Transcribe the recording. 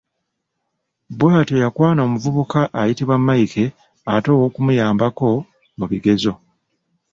Bw’atyo yakwana omuvubuka ng’ayitibwa Mike ate ow’okumuyambako mu bigezo.